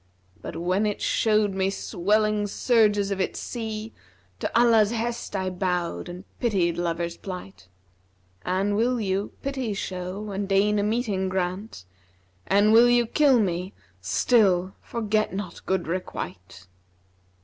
But when it showed me swelling surges of its sea, * To Allah's hest I bowed and pitied lover's plight. An will you, pity show and deign a meeting grant, * An will you kill me still forget not good requite.'